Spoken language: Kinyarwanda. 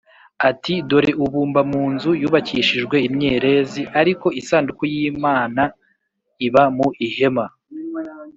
ati “Dore ubu mba mu nzu yubakishijwe imyerezi, ariko isanduku y’Imana iba mu ihema.”